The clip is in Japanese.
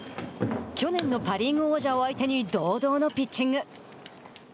去年のパ・リーグ王者を相手に堂々のピッチング。